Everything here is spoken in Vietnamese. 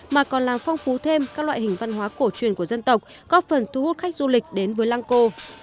mà còn làm phong phú thêm các loại hình văn hóa cổ truyền của dân tộc góp phần thu hút khách du lịch đến với lăng cô